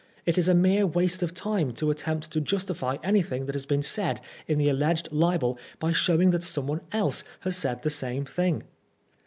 It is a mere waste of time to attempt to justify anything that has been said in the alleged Ubel by showing that someone else has said the same thing.